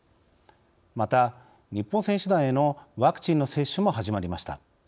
また、日本選手団へのワクチンの接種も始まりました。